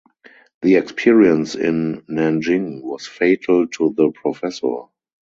The experience in Nanjing was fatal to the professor.